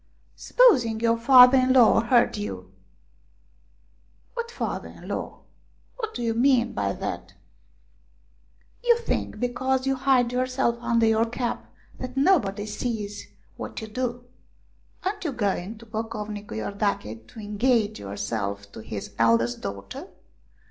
" Supposing your father in law heard you ?"" What father in law ? What do you mean by that ?" AT MANJOALA'S INN 39 "You think because you hide yourself under your cap that nobody sees what you do. Aren't you going to Pocovnicu lordache to engage yourself to his eldest daughter